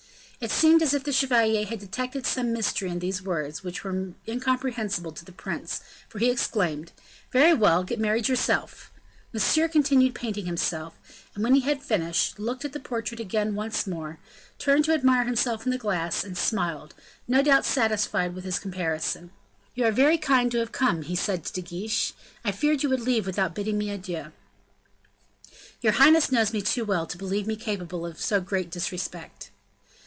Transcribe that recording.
It seemed as if the chevalier had detected some mystery in these words, which were incomprehensible to the prince, for he exclaimed: "Very well, get married yourself." Monsieur continued painting himself, and when he had finished, looked at the portrait again once more, turned to admire himself in the glass, and smiled, and no doubt was satisfied with the comparison. "You are very kind to have come," he said to Guiche, "I feared you would leave without bidding me adieu." "Your highness knows me too well to believe me capable of so great a disrespect."